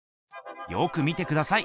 よく見てください。